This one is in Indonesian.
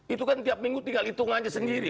itu kan tiap minggu tinggal hitung aja sendiri